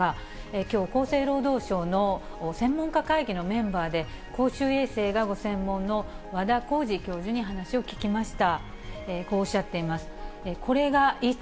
きょう、厚生労働省の専門家会議のメンバーで、公衆衛生がご専門の和田耕治教授に話を聞きました。